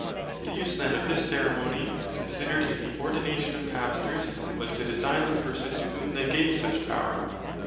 The use then of this ceremony considered in the Ordination of Pastors, was to design the Person to whom they gave such Power.